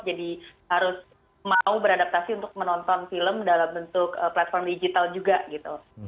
jadi harus mau beradaptasi untuk menonton film dalam bentuk platform digital juga gitu